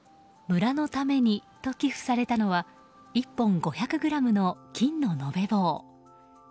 村のためにと寄付されたのは１本５００ｇの金の延べ棒。